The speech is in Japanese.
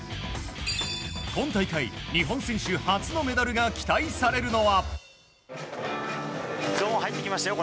今大会、日本選手初のメダルが期待されるのは。